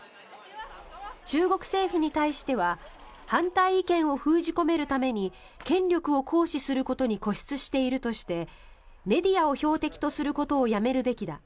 中国政府に対しては反対意見を封じ込めるために権力を行使することに固執しているとしてメディアを標的とすることをやめるべきだ